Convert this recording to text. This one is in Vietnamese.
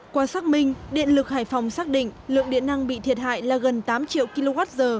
qua xác minh điện lực hải phòng xác định lượng điện năng bị thiệt hại là gần tám triệu kwh